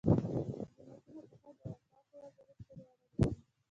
جوماتونه په حج او اوقافو وزارت پورې اړه لري.